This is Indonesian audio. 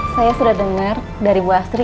saya sudah dengar dari bu astri